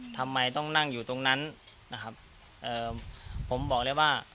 ทำไมต้องนั่งอยู่ตรงนั้นผมบอกเลยว่า